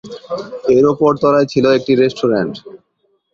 এর ওপর তলায় ছিল একটি রেস্টুরেন্ট।